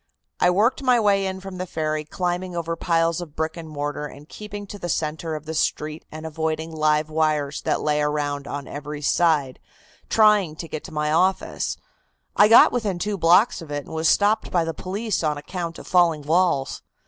I worked my way in from the ferry, climbing over piles of brick and mortar and keeping to the centre of the street and avoiding live wires that lay around on every side, trying to get to my office. I got within two blocks of it and was stopped by the police on account of falling walls.